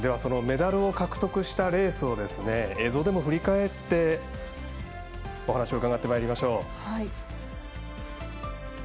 メダルを獲得したレースを映像でも振り返ってお話を伺ってまいりましょう。